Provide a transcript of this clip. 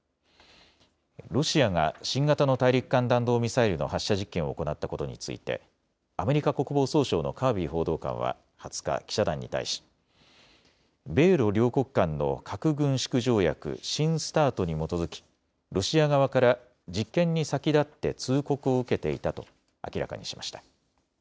ロシアが新型の大陸間弾道ミサイルの発射実験を行ったことについてアメリカ国防総省のカービー報道官は２０日、記者団に対し米ロ両国間の核軍縮条約新ＳＴＡＲＴに基づきロシア側から実験に先立って通告を受けていたと明らかにしました。